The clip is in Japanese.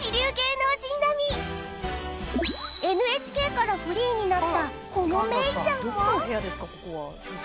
ＮＨＫからフリーになったこのメイちゃんも。